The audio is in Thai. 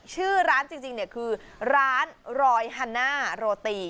ชื่อร้านจริงเนี่ยคือร้านรอยฮันน่าโรตี